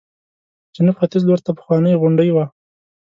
جنوب ختیځ لورته پخوانۍ غونډۍ وه.